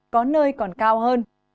có nơi còn cao hơn